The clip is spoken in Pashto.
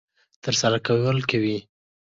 ترسره کول کوي.